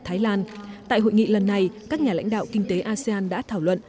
thái lan tại hội nghị lần này các nhà lãnh đạo kinh tế asean đã thảo luận